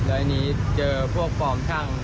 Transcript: แล้วอันนี้เจอพวกฟอร์มช่าง